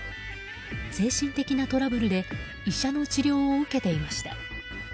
精神的なトラブルで医者の治療を受けていました。